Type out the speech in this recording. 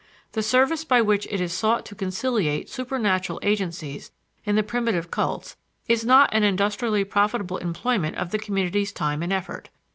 The service by which it is sought to conciliate supernatural agencies in the primitive cults is not an industrially profitable employment of the community's time and effort.